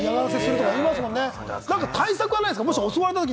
何か対策はないですか？